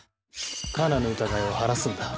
カナの疑いを晴らすんだ。